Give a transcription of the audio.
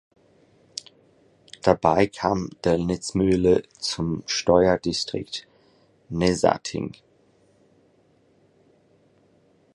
Dabei kam Döllnitzmühle zum Steuerdistrikt Nessating.